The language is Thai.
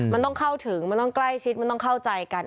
มันต้องเข้าถึงมันต้องใกล้ชิดมันต้องเข้าใจกัน